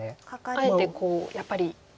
あえてやっぱり。